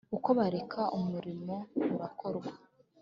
uko bareka umurimo urakorwa